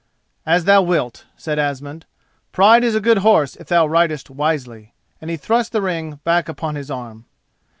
"As thou wilt," said Asmund. "Pride is a good horse if thou ridest wisely," and he thrust the ring back upon his arm.